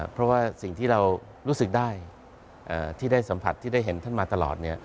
เพราะว่าสิ่งที่เรารู้สึกได้ที่ได้สัมผัสที่ได้เห็นท่านมาตลอด